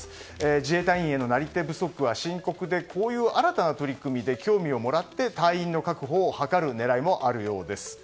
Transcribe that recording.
自衛隊員へのなり手不足は深刻でこういう新たな取り組みで興味をもらって隊員の確保を図る狙いもあるようです。